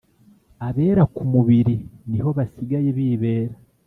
Abera ku mubiri Ni ho basigaye bibera